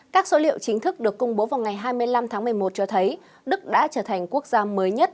các số liệu chính thức được công bố vào ngày hai mươi năm tháng một mươi một cho thấy đức đã trở thành quốc gia mới nhất